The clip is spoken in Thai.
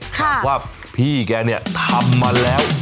ค่ะถามความพี่แกเนี่ยทำมาแล้ว